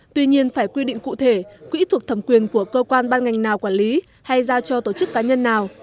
tuy nhiên phải quy định cụ thể quỹ thuộc thẩm quyền của cơ quan ban ngành nào quản lý hay giao cho tổ chức cá nhân nào